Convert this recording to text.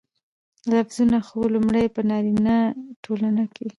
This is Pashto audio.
لفظونه خو لومړى په نارينه ټولنه کې